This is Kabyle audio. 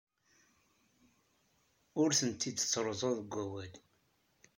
Ur tent-id-ttruẓuɣ deg wawal.